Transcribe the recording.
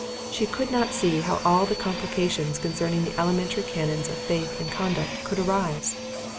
She could not see how all the complications concerning the elementary canons of faith and conduct could arise.